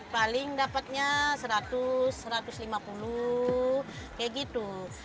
paling dapatnya seratus satu ratus lima puluh kayak gitu